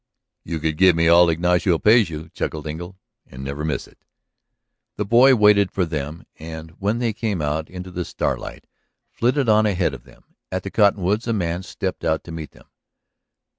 "You could give me all that Ignacio pays you," chuckled Engle, "and never miss it!" The boy waited for them and, when they came out into the starlight, flitted on ahead of them. At the cottonwoods a man stepped out to meet them.